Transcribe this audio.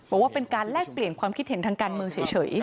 บอกว่าเป็นการแลกเปลี่ยนความคิดเห็นทางการเมืองเฉย